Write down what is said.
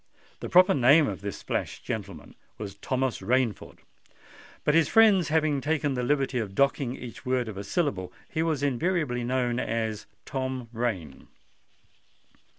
The proper name of this flash gentleman was Thomas Rainford; but his friends had taken the liberty of docking each word of a syllable; and he was invariably known as Tom Rain.